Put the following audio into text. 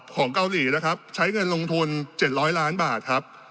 ของเกาหลีนะครับใช้เงินลงทุน๗๐๐ล้านบาทครับ